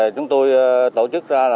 chúng tôi tổ chức ra là phân hai loại